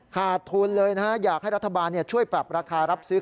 ขาดทุนเลยนะฮะอยากให้รัฐบาลช่วยปรับราคารับซื้อ